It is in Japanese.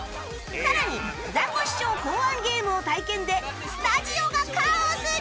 さらにザコシショウ考案ゲームを体験でスタジオがカオスに！